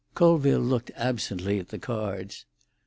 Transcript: Colville looked absently at the cards.